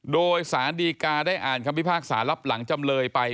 โดยสารดีกาได้อ่านคำพิพากษารับหลังจำเลยไป